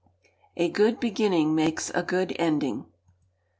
[A GOOD BEGINNING MAKES A GOOD ENDING.